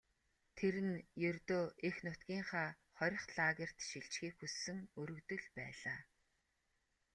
Тэр нь ердөө эх нутгийнхаа хорих лагерьт шилжихийг хүссэн өргөдөл байлаа.